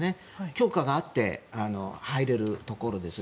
許可があって入れるところです。